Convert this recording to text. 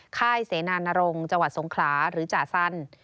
ข้ายเสนานนรงจสงคราหรือจาสัน